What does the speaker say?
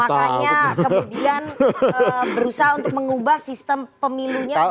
makanya kemudian berusaha untuk mengubah sistem pemilunya